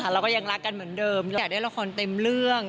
เราก็ยังรักกันเหมือนเดิมอยากได้ละครเต็มเรื่อง